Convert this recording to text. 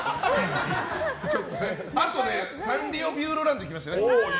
あとはサンリオピューロランド行きましたね。